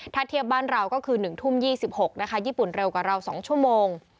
ถ้าเทียบบ้านเราก็คือ๑ทุ่ม๒๖นะคะญี่ปุ่นเร็วกว่าเรา๒ชั่วโมง